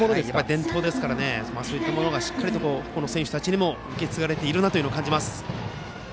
伝統ですからそういったものが選手たちにも引き継がれている感じがします。